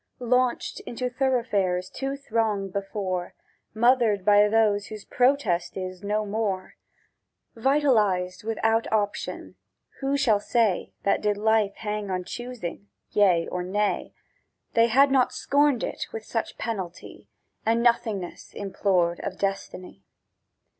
Launched into thoroughfares too thronged before, Mothered by those whose protest is "No more!" Vitalized without option: who shall say That did Life hang on choosing—Yea or Nay— They had not scorned it with such penalty, And nothingness implored of Destiny?